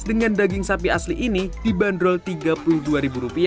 dengan daging sapi asli ini dibanderol rp tiga puluh dua